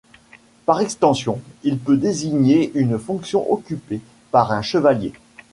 Par extension, il peut désigner une fonction occupée par un chevalier.